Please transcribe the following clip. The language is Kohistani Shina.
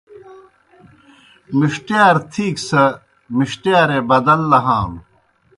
مِݜٹِیار تِھیک سہ مِݜٹِیارے بدل لہانوْ